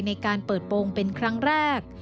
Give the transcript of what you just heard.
ในการเปิดโปรงเป็นครั้งแรก